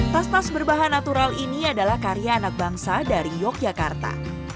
tas tas berbahan natural ini adalah karya anak bangsa dari yogyakarta